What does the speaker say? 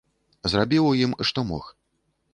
Зрабіў у ім, што мог.